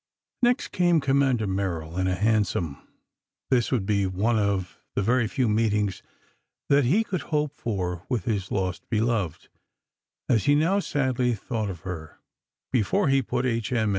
Next came Commander Merrill in a hansom. This would be one of the very few meetings that he could hope for with his lost beloved as he now sadly thought of her before he put H.M.